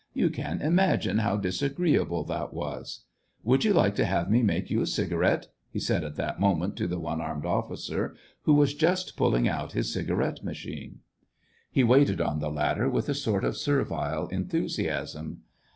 You can im agine how disagreeable that was ! Would you like to have me make you a cigarette," he said at that moment to the one armed officer, who was just pulling out his cigarette machine. He waited on the latter with a sort of servile enthusiasm.